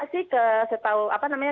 sih ke saya tahu apa namanya